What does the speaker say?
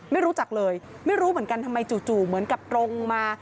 ไม่รู้จักเลยไม่รู้เหมือนกันทำไมจู่เหมือนกับตรงมา